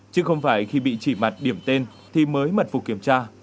chứ không phải khi bị chỉ mặt điểm tên thì mới mật phục kiểm tra